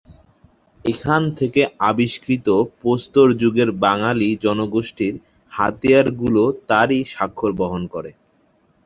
এখান থেকে আবিষ্কৃত প্রস্তর যুগের বাঙালী জনগোষ্ঠীর হাতিয়ার গুলো তারই স্বাক্ষর বহন করে।